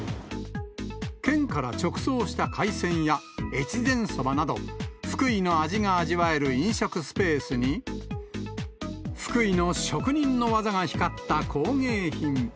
県から直送した海鮮や越前そばなど、福井の味が味わえる飲食スペースに、福井の職人の技が光った工芸品。